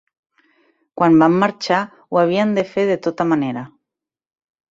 Quan vam marxar ho havien de fer de tota manera.